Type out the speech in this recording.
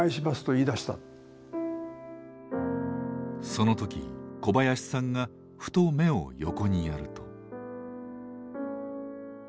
その時小林さんがふと目を横にやると。